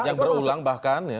yang berulang bahkan ya